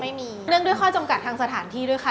เนื่องด้วยข้อจำกัดทางสถานที่ด้วยค่ะ